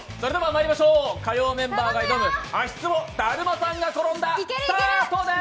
火曜メンバーが挑む足ツボだるまさんがころんだスタートです！